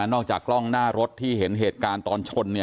จากกล้องหน้ารถที่เห็นเหตุการณ์ตอนชน